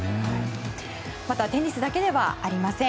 また、テニスだけではありません。